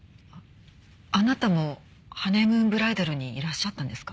あなたもハネムーンブライダルにいらっしゃったんですか？